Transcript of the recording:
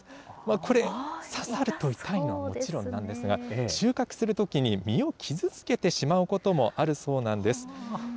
これ、刺さると痛いのはもちろんなんですが、収穫するときに実を傷つけてしまうこともあるそうなんです。